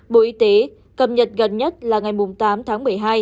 bộ y tế cập nhật gần nhất là ngày tám tháng một mươi hai